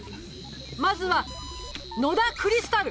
まずは野田クリスタル！